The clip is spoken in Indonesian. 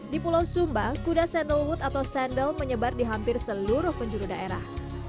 di pulau sumba kuda sandalwood atau sandal menyebar di hampir seluruh penjuru daerah